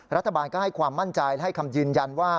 รัฐบาลก็ให้ความมั่นใจให้คำยืนยันว่า